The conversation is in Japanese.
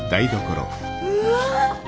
うわ！